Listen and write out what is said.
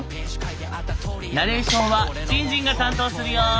ナレーションはじんじんが担当するよ！